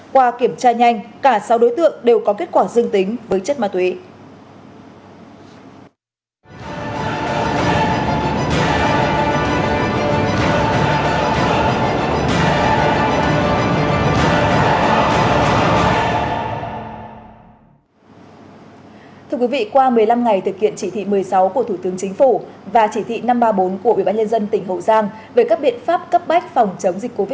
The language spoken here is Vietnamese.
qua kiểm tra nhanh cả sáu đối tượng đều có kết quả dương tính với chất ma túy